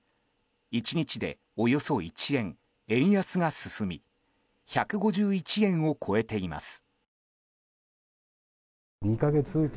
１日でおよそ１円、円安が進み１５１円を超えています。